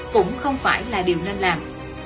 cũng không phải là điều nên làm